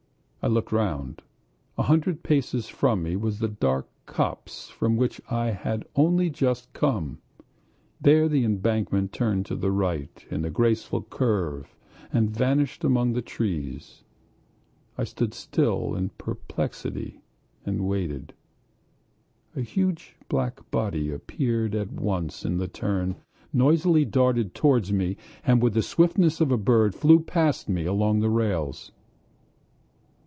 I looked round; a hundred paces from me was the dark copse from which I had only just come; there the embankment turned to the right in a graceful curve and vanished among the trees. I stood still in perplexity and waited. A huge black body appeared at once at the turn, noisily darted towards me, and with the swiftness of a bird flew past me along the rails.